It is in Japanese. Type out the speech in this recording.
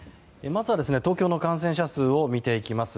まずは東京の感染者数を見ていきます。